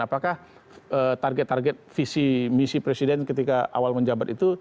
apakah target target visi misi presiden ketika awal menjabat itu